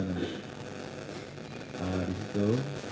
nah di situ